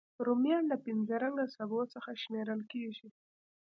رومیان له پینځه رنګه سبو څخه شمېرل کېږي